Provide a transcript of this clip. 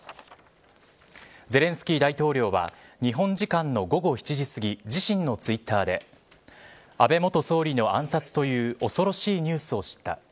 ゼレンスキー大統領は日本時間の午後７時すぎ自身のツイッターで安倍元総理の暗殺という恐ろしいニュースを知った。